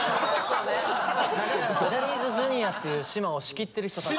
ジャニーズＪｒ．っていうシマを仕切ってる人たち。